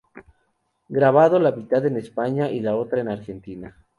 Grabado la mitad en España y la otra en Argentina.